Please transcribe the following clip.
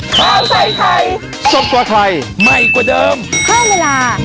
คุณแม่งคุณแม่ง